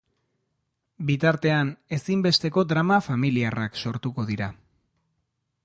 Bitartean, ezinbesteko drama familiarrak sortuko dira.